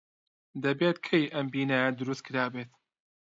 دەبێت کەی ئەم بینایە دروست کرابێت.